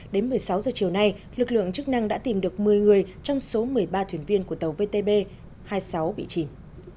đến một mươi sáu h chiều nay lực lượng chức năng đã tìm được một mươi người trong số một mươi ba thuyền viên của tàu vtb hai mươi sáu bị chìm